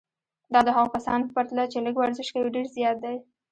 دا د هغو کسانو په پرتله چې لږ ورزش کوي ډېر زیات دی.